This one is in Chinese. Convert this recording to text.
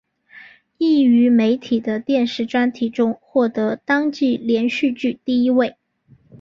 亦于媒体的电视专题中获得当季连续剧第一位。